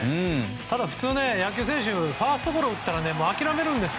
ただ普通、野球選手ファーストゴロを打ったら諦めるんです。